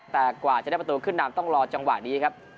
แต่กว่าจะได้ประตูขึ้นนำต้องรอจังหวะนี้ครับ